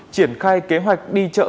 triển khai kế hoạch đi chợ